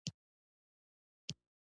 صحیفه چې وي لیکلې هومره ښه ده.